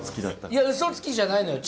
いや嘘つきじゃないのよ！